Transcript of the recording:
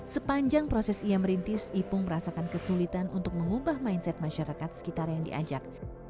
sepanjang proses ia merintis ipung merasakan kesulitan untuk mengubah mindset masyarakat sekitar yang diajak